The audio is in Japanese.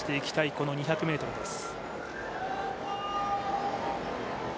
この２００ｍです。